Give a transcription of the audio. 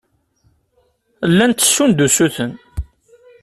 Llan ttessun-d usuten.